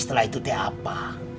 setelah itu apa